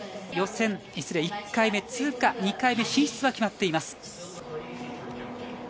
１回目通過、２回目進出が決まっています。